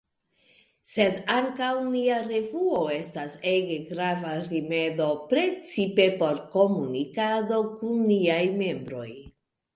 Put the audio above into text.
Sed ankaŭ nia revuo restas ege grava rimedo, precipe por komunikado kun niaj membroj.